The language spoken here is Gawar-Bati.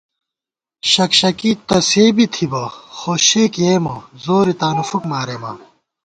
شک شکی تہ سے بی تھِبہ ، خو شے کېیئېمہ ، زورے تانُو فُک مارېما